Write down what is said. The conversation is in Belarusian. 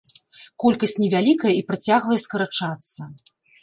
Колькасць невялікая і працягвае скарачацца.